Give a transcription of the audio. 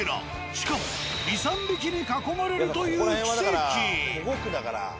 しかも２３匹に囲まれるという奇跡！